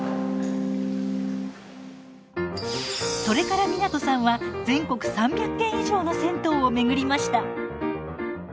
それから湊さんは全国３００軒以上の銭湯を巡りました。